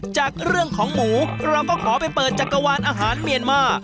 จากเรื่องของหมูเราก็ขอไปเปิดจักรวาลอาหารเมียนมา